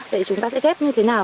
vậy chúng ta sẽ ghép như thế nào